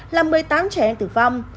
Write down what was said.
làm một mươi tám trẻ em tử vong